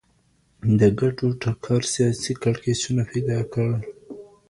د ګټو ټکر سياسي کړکېچونه پيدا کړل.